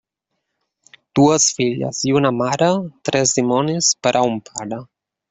Dues filles i una mare, tres dimonis per a un pare.